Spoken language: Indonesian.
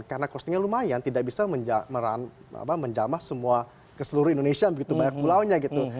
karena costingnya lumayan tidak bisa menjamah semua ke seluruh indonesia begitu banyak gulaunya gitu